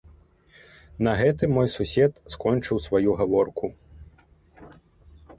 На гэтым мой сусед скончыў сваю гаворку.